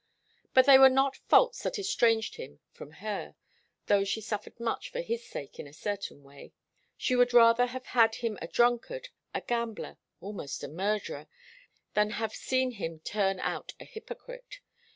But they were not faults that estranged him from her, though she suffered much for his sake in a certain way. She would rather have had him a drunkard, a gambler, almost a murderer, than have seen him turn out a hypocrite.